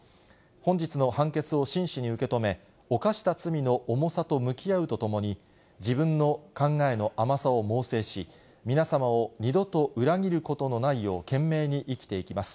本日の判決を真摯に受け止め、犯した罪の重さと向き合うとともに、自分の考えの甘さを猛省し、皆様を二度と裏切ることのないよう、懸命に生きていきます。